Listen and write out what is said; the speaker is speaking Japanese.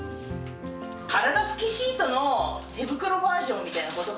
体拭きシートの手袋バージョンみたいなことか。